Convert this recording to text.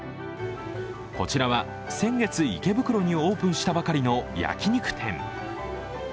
こちらは先月、池袋にオープンしたばかりの焼き肉店。